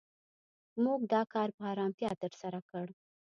موږ دا کار په آرامتیا تر سره کړ.